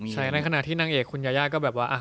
ใช่ในขณะที่นางเอกคุณยาย่าก็แบบว่า